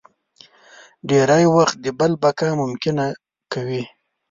ډېری وخت د بل بقا ممکنه کوي.